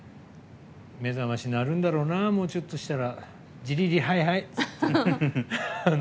目覚まし鳴るんだろうなもうちょっとしたらジリリ、はいはいみたいな。